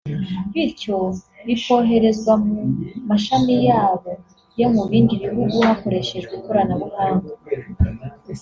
bityo bikoherezwa mu mashami yabo yo mu bindi bihugu hakoreshejwe ikoranabuhanga